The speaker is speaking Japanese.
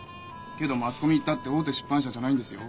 けどマスコミったって大手出版社じゃないんですよ。